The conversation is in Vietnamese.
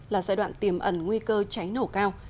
là giai đoạn tiềm ẩn nguy cơ cháy nổ cao